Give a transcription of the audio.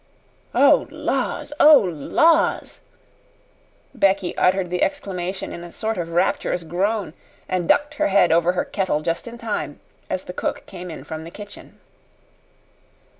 "Oh, laws! Oh, laws!" Becky uttered the exclamation in a sort of rapturous groan, and ducked her head over her kettle just in time, as the cook came in from the kitchen.